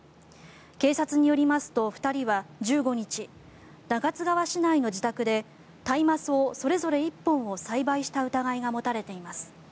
警察によりますと２人は１５日中津川市内の住宅で大麻草それぞれ１本を栽培した疑いが持たれています。